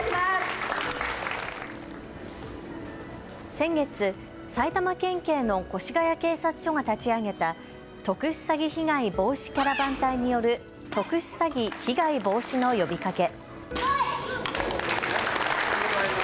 先月、埼玉県警の越谷警察署が立ち上げた特殊詐欺被害防止キャラバン隊による特殊詐欺、被害防止の呼びかけ。